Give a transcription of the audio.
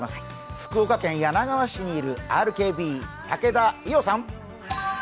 福岡県柳川市にいるＲＫＢ、武田伊央さん。